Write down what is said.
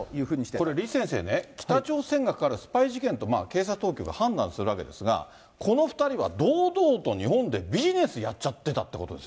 これ、李先生ね、北朝鮮が関わるスパイ事件と警察当局は判断するわけですが、この２人は堂々と日本でビジネスをやっちゃってたということです